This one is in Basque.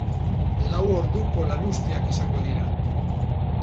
Lau orduko lanuzteak izango dira.